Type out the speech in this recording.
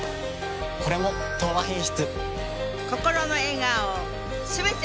これも「東和品質」。